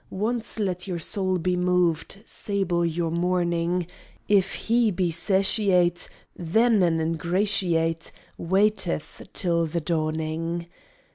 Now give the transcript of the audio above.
Once let your soul be moved, Sable your mourning; If he be satiate, Then an ingratiate, Waiteth the dawning.